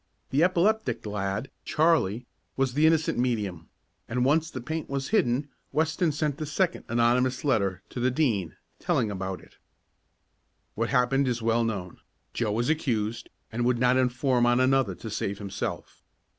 The epileptic lad, Charlie, was the innocent medium, and once the paint was hidden Weston sent the second anonymous letter to the Dean, telling about it. What happened is well known. Joe was accused, and would not inform on another to save himself.